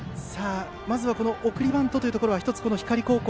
まずは送りバントというところは光高校。